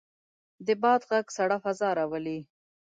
د باد غږ سړه فضا راولي.